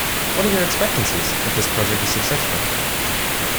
What are your expectancies if this project is successful?